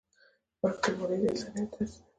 پښتونولي د انسانیت درس دی.